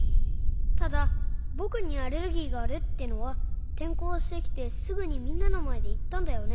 ただぼくにアレルギーがあるってのはてんこうしてきてすぐにみんなのまえでいったんだよね。